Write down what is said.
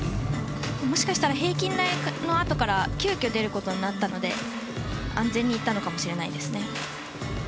もしかしたら平均台のあとから急きょ出ることになったので安全にいったのかもしれないです。